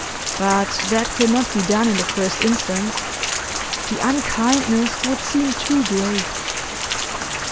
But that could not be done in the first instance; the unkindness would seem too great.